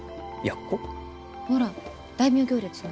ほら大名行列の。